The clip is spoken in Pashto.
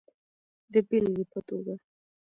د بیلګی په توکه